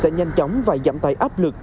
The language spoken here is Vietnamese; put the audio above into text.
sẽ nhanh chóng và giảm tài áp lực